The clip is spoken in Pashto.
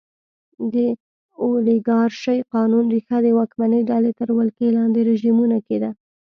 د اولیګارشۍ قانون ریښه د واکمنې ډلې تر ولکې لاندې رژیمونو کې ده.